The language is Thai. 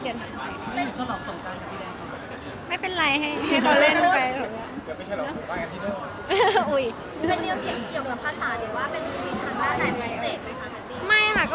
ผมว่ามันเป็นเรื่องที่โอเค